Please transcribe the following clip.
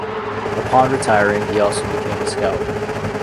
Upon retiring, he also became a scout.